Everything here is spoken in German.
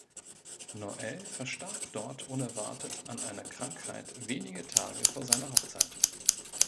Noel verstarb dort unerwartet an einer Krankheit wenige Tage vor seiner Hochzeit.